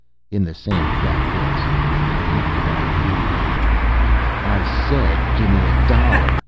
In the same flat voice: "I have to buy food." "_I said gimme a dollar!